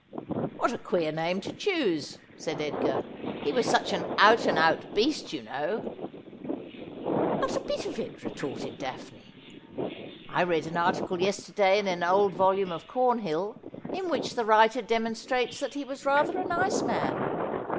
' What a queer name to choose !' said Edgar. ' He was such an out and out beast, you know.' ' Not a bit of it, retorted Daphne. ' I read an article yes terday in an old volume of Cornhill, in which the writer de monstrates that he was rather a nice man.